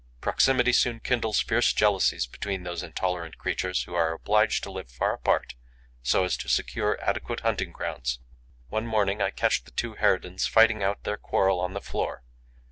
Proximity soon kindles fierce jealousies between those intolerant creatures, who are obliged to live far apart, so as to secure adequate hunting grounds. One morning, I catch the two harridans fighting out their quarrel on the floor.